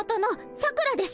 さくらです。